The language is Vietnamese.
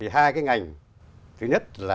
hai cái ngành thứ nhất là